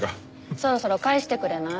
そろそろ返してくれない？